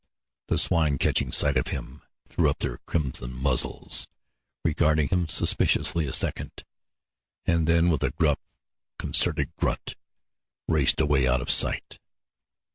The swine, catching sight of him, threw up their crimson muzzles, regarding him suspiciously a second, and then with a gruff, concerted grunt, raced away out of sight.